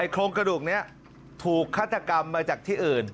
โครงกระดูกนี้ถูกฆาตกรรมมาจากที่อื่น